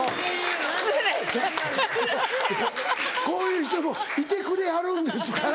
こういう人もいてくれはるんですから。